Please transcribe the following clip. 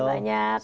terima kasih banyak